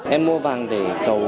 em mua vàng để cầu